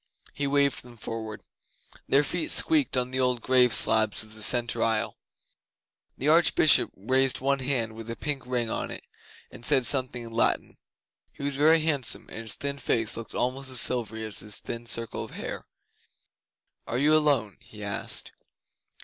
He waved them forward. Their feet squeaked on the old grave slabs in the centre aisle. The Archbishop raised one hand with a pink ring on it, and said something in Latin. He was very handsome, and his thin face looked almost as silvery as his thin circle of hair. 'Are you alone?' he asked.